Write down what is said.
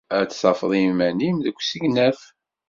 Ad d-tafed iman-nnem deg usegnaf.